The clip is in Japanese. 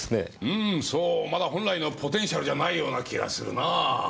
うーんそうまだ本来のポテンシャルじゃないような気がするなぁ。